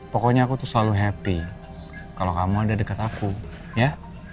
pokoknya aku tuh selalu happy kalau kamu udah deket aku ya